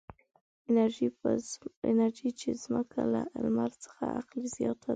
انرژي چې ځمکه له لمر څخه اخلي زیاته ده.